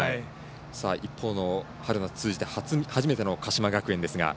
一方の春夏通じて初めての鹿島学園ですが。